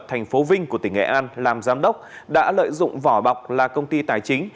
thành phố vinh của tỉnh nghệ an làm giám đốc đã lợi dụng vỏ bọc là công ty tài chính